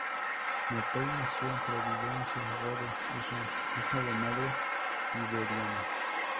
Mapei nació en Providence, Rhode Island, hija de madre liberiana.